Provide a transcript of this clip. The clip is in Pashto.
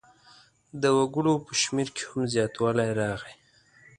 د وګړو په شمېر کې هم زیاتوالی راغی.